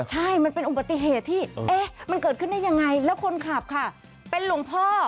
ใช่มันเป็นอุบัติเหตุที่เอ๊ะมันเกิดขึ้นได้ยังไงแล้วคนขับค่ะเป็นหลวงพ่อ